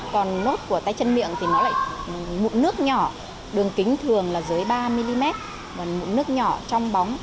còn nốt của tay chân miệng thì nó lại mụn nước nhỏ đường kính thường là dưới ba mm và mụn nước nhỏ trong bóng